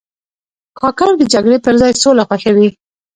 کاکړ د جګړې پر ځای سوله خوښوي.